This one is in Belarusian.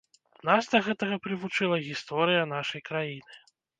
Нас да гэтага прывучыла гісторыя нашай краіны.